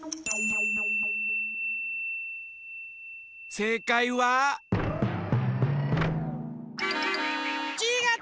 せいかいは？ちがった！